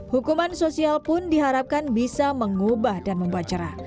hukuman sosial pun diharapkan bisa mengubah dan membuat cerah